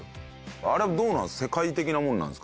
あれどうなんですか？